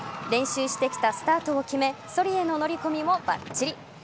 練習してきたスタートを決めそりへの乗り込みもバッチリ。